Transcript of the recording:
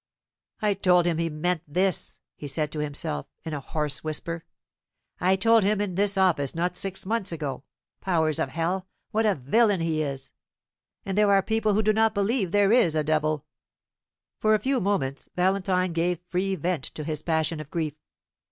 "I told him he meant this," he said to himself, in a hoarse whisper. "I told him in this office not six months ago. Powers of hell, what a villain he is! And there are people who do not believe there is a devil!" For a few moments Valentine gave free vent to his passion of grief.